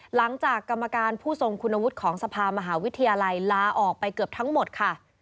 หลังจากกรรมการผู้ทรงคุณวุฒิของสภามหาวิทยาลัยลาออกไปเกือบทั้งหมดค่ะ